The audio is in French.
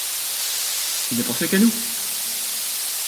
Il ne pensait qu’à nous!